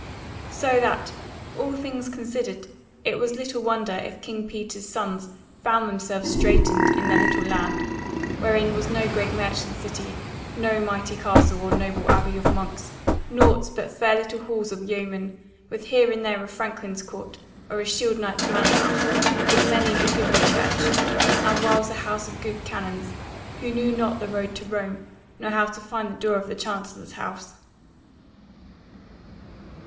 So that, all things considered, it was little wonder if King Peter's sons found themselves straitened in their little land: wherein was no great merchant city; no mighty castle, or noble abbey of monks: nought but fair little halls of yeomen, with here and there a franklin's court or a shield knight's manor house; with many a goodly church, and whiles a house of good canons, who knew not the road to Rome, nor how to find the door of the Chancellor's house.